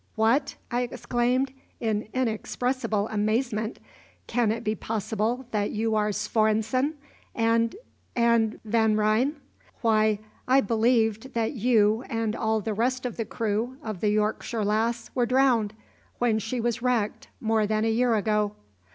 "What!" I exclaimed, in inexpressible amazement, "can it be possible that you are Svorenssen and and Van Ryn? Why, I believed that you and all the rest of the crew of the Yorkshire Lass were drowned when she was wrecked, more than a year ago."